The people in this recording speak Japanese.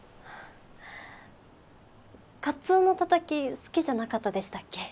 カツオのたたき好きじゃなかったでしたっけ？